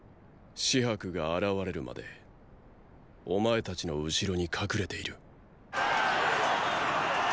紫伯が現れるまでお前たちの後ろに隠れている。